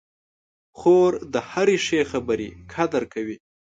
خور د هرې ښې خبرې قدر کوي.